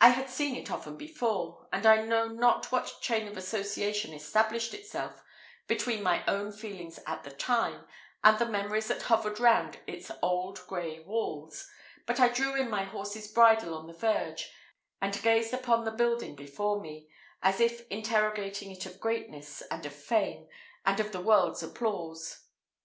I had seen it often before; and I know not what chain of association established itself between my own feelings at the time, and the memories that hovered round its old gray walls, but I drew in my horse's bridle on the verge, and gazed upon the building before me, as if interrogating it of greatness, and of fame, and of the world's applause.